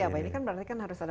apa ini kan berarti kan harus ada